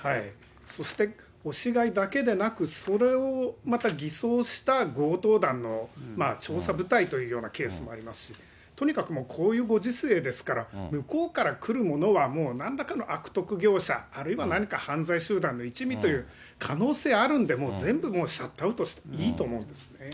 そして、押し買いだけでなく、それをまた偽装した強盗団の調査部隊というようなケースもありますし、とにかくもうこういうご時世ですから、向こうから来るものはもうなんらかの悪徳業者、あるいは何か犯罪集団のいちみという可能性あるんで、全部もうシャットアウトしていいと思うんですね。